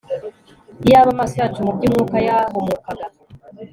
Iyaba amaso yacu mu byumwuka yahumukaga